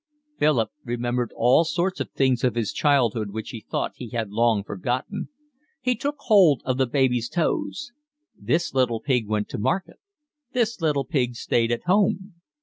Philip remembered all sorts of things of his childhood which he thought he had long forgotten. He took hold of the baby's toes. "This little pig went to market, this little pig stayed at home."